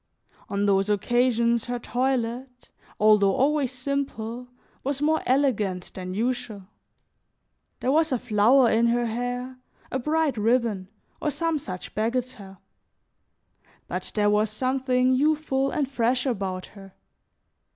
On those occasions her toilet, although always simple, was more elegant than usual; there was a flower in her hair, a bright ribbon, or some such bagatelle; but there was something youthful and fresh about her.